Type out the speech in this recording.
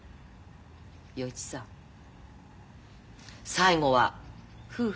洋一さん最後は夫婦よ。